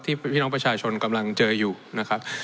พี่น้องประชาชนกำลังเจออยู่นะครับ